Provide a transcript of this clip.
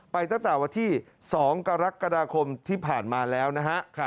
ตั้งแต่วันที่๒กรกฎาคมที่ผ่านมาแล้วนะฮะ